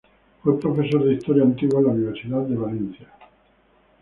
Fue profesor de Historia Antigua en la Universidad de Valencia.